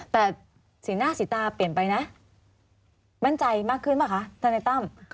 แต่สีหน้าสีตาเปลี่ยนไปนะมั่นใจมากขึ้นป่ะคะธนายตั้ม